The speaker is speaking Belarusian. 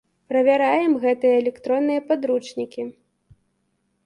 Правяраем гэтыя электронныя падручнікі.